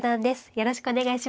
よろしくお願いします。